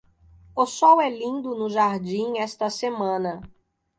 O sol é lindo no jardim esta semana.